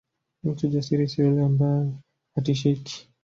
Mtu jasiri sio yule ambaye hatishiki